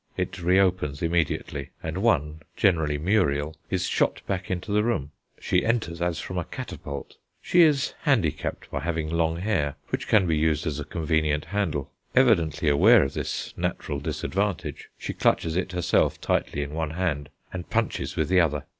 It re opens immediately, and one, generally Muriel, is shot back into the room. She enters as from a catapult. She is handicapped by having long hair, which can be used as a convenient handle. Evidently aware of this natural disadvantage, she clutches it herself tightly in one hand, and punches with the other.